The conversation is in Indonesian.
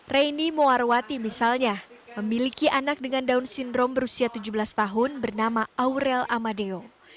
reini muarwati misalnya memiliki anak dengan down syndrome berusia tujuh belas tahun bernama aurel amadeo